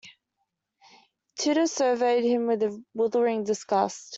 Tudor surveyed him with withering disgust.